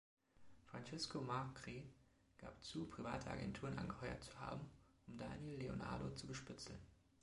Francisco Macri gab zu, private Agenturen angeheuert zu haben, um Daniel Leonardo zu bespitzeln.